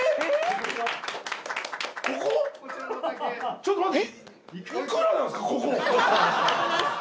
ちょっと待って。